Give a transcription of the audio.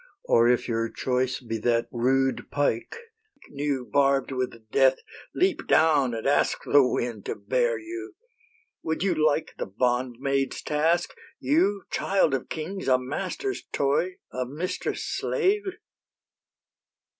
Or if your choice be that rude pike, New barb'd with death, leap down and ask The wind to bear you. Would you like The bondmaid's task, You, child of kings, a master's toy, A mistress' slave?'"